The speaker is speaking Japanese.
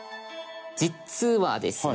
実はですね